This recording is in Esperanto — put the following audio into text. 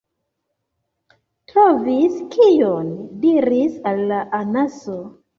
“Trovis kion?” diris la Anaso.